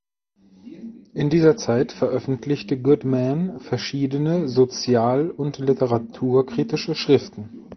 In dieser Zeit veröffentlichte Goodman verschiedene sozial- und literaturkritische Schriften.